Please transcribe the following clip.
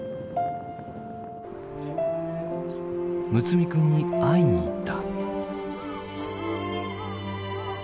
睦弥君に会いに行った。